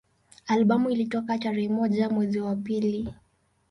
Albamu ilitoka tarehe moja mwezi wa pili